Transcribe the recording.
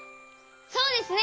そうですね！